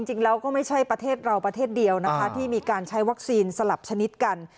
จริงแล้วก็ไม่ใช่ประเทศเราประเทศเดียวนะคะที่มีการใช้วัคซีนสลับชนิดกัน